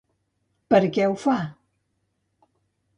Per què ho fa?